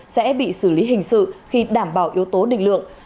sẽ bị xử lý hình sự khi đảm bảo yếu tố định lượng